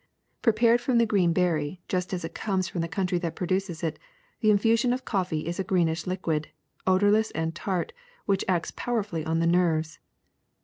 *' Prepared from the green berry just as it comes from the country that produces it, the infusion of coffee is a greenish liquid, odorless and tart, which acts powerfully on the nerves."